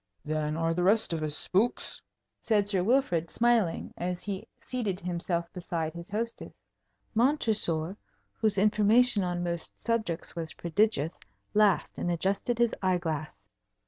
"Then are the rest of us spooks?" said Sir Wilfrid, smiling, as he seated himself beside his hostess. Montresor, whose information on most subjects was prodigious, laughed and adjusted his eye glass.